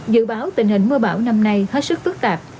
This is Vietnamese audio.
dự báo tình hình mưa bão năm nay hết sức phức tạp